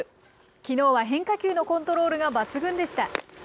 きのうは変化球のコントロールが抜群でした。